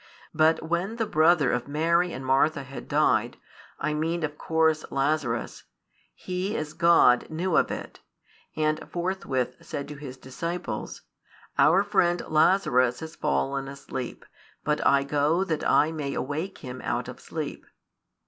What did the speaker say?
But when the brother of Mary and Martha had died, I mean of course Lazarus, He as God knew of it, and forthwith said to His disciples: Our friend Lazarus is fallen asleep, but I go that I may awake him out of sleep.